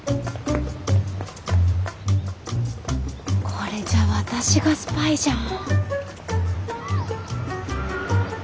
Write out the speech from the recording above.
これじゃ私がスパイじゃん。